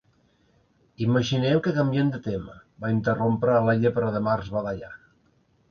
"Imaginem que canviem de tema", va interrompre la Llebre de Març badallant.